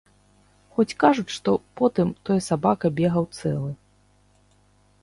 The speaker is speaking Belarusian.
Хоць кажуць, што потым той сабака бегаў цэлы.